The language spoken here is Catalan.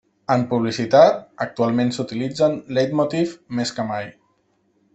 En publicitat, actualment s'utilitzen leitmotiv més que mai.